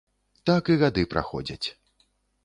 Так, і гады праходзяць.